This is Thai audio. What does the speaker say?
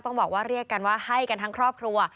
ต้องบอกว่าเรียกกันว่าให้กันทั้งครอบครัว